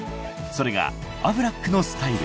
それがアフラックのスタイル］